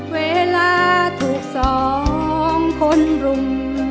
เวลาถูกสองคนรุม